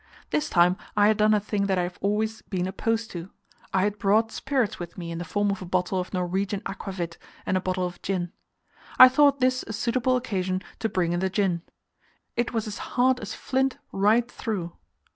This time I had done a thing that I have always been opposed to: I had brought spirits with me in the form of a bottle of Norwegian aquavit and a bottle of gin. I thought this a suitable occasion to bring in the gin. It was as hard as flint right through.